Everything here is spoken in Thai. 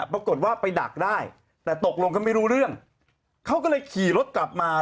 ปรากฏว่าไปดักได้แต่ตกลงกันไม่รู้เรื่องเขาก็เลยขี่รถกลับมา